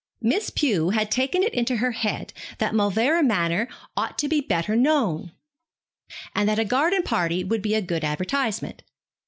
Miss Pew had taken it into her head that Mauleverer Manor ought to be better known, and that a garden party would be a good advertisement.